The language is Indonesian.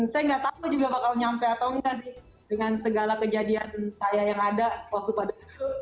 saya nggak tahu juga bakal nyampe atau enggak sih dengan segala kejadian saya yang ada waktu pada